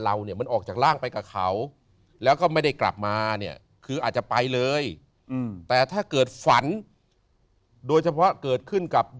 รูปเวทนาสังขารวิญญาณ